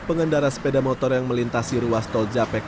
pengendara sepeda motor yang melintasi ruas tol japek